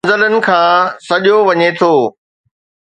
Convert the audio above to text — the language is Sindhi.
منزلن کان سڏيو وڃي ٿو